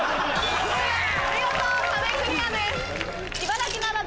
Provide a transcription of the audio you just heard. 見事壁クリアです！